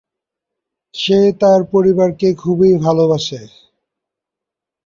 সে তার পরিবারকে খুবই ভালোবাসে।